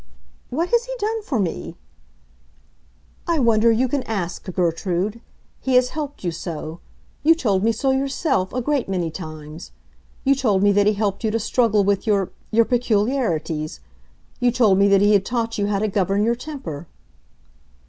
"What has he done for me?" "I wonder you can ask, Gertrude. He has helped you so. You told me so yourself, a great many times. You told me that he helped you to struggle with your—your peculiarities. You told me that he had taught you how to govern your temper."